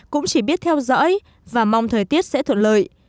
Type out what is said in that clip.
cũng chỉ biết theo dõi và mong thời tiết sẽ thuận lợi